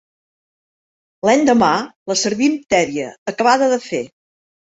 L'endemà la servim tèbia, acabada de fer.